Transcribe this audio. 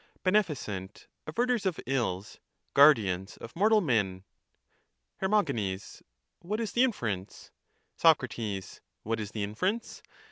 Beneficent, averters of ills, guardians of mortal men^' Her. What is the inference? Soc. What is the inference!